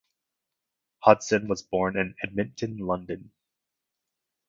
Hodson was born in Edmonton, London.